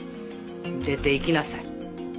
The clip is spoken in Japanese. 出て行きなさい。